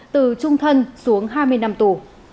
từ trung thân xuống hai mươi năm tù